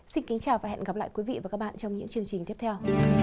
xin kính chào và hẹn gặp lại các bạn trong những chương trình tiếp theo